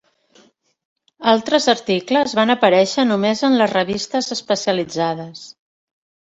Altres articles van aparèixer només en les revistes especialitzades.